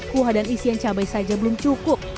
kuah dan isian cabai saja belum cukup